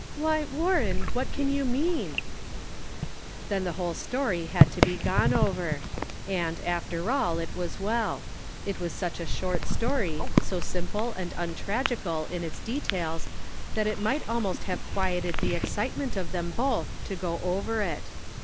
" Why, Warren, what can you mean ?" Then the whole story had to be gone over ; and, after all, it was well ; it was such a short story, so simple and untragical in its details that it might almost have quieted the excite ment of them both to go over it.